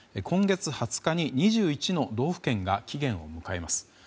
今月２０日に２１の道府県が期限を迎えます。